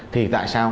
thì tại sao